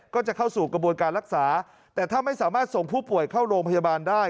ก็จะเข้าสู่กระบวนการรักษาแต่ถ้าไม่สามารถส่งผู้ป่วยเข้าโรงพยาบาลได้